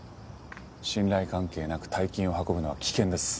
信頼関係なく大金を運ぶのは危険です。